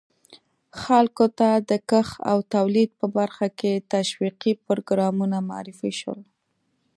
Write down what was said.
خلکو ته د کښت او تولید په برخه کې تشویقي پروګرامونه معرفي شول.